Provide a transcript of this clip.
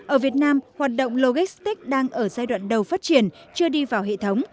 ở việt nam hoạt động logistics đang ở giai đoạn đầu phát triển chưa đi vào hệ thống